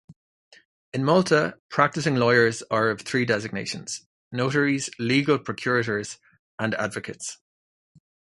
In Malta, practising lawyers are of three designations - notaries, legal procurators and advocates.